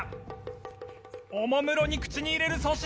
おもむろに口に入れる粗品！